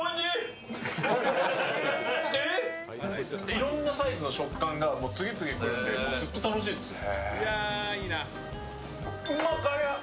いろんなサイズの食感が次々来るんでずっと楽しいですね。